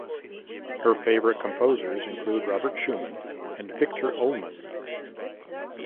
Her favourite composers include Robert Schumann and Viktor Ullmann.